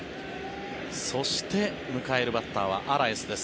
そして、迎えるバッターはアラエスです。